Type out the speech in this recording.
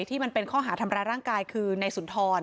ที่มันเป็นข้อหาทำร้ายร่างกายคือในสุนทร